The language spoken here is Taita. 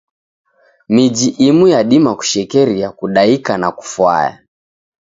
Miji imu yadima kushekeria kudaika na kufwaya.